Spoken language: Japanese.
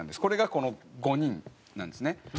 これがこの５人なんですね。